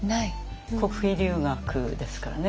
国費留学ですからね。